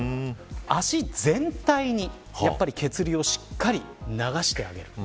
足全体に血流をしっかり流してあげる。